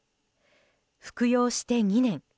服用して２年。